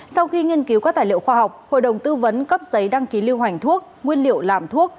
sau khi nghiên cứu các tài liệu khoa học hội đồng tư vấn cấp giấy đăng ký lưu hành thuốc nguyên liệu làm thuốc